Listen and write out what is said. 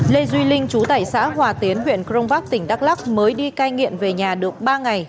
lê duy linh chú tại xã hòa tiến huyện crong bắc tỉnh đắk lắc mới đi cai nghiện về nhà được ba ngày